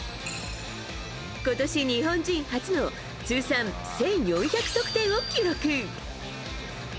今年、日本人初の通算１４００得点を記録。